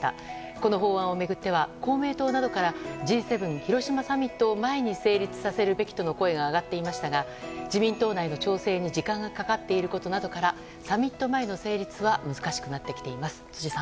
この法案を巡っては公明党などからＧ７広島サミットを前に成立させるべきとの声が上がっていましたがただ、自民党内の調整に時間がかかっていることなどからサミット前の成立は難しくなってきています。